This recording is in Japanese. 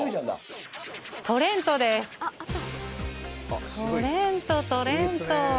トレントトレント。